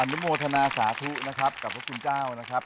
นุโมทนาสาธุนะครับกับพระคุณเจ้านะครับ